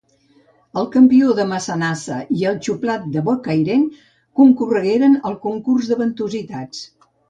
El campió de Massanassa i el xuplat de Bocairent concorregueren al concurs de ventositats.